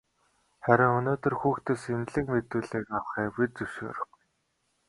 Харин өнөөдөр хүүхдээс мэдүүлэг авахыг бид зөвшөөрөхгүй.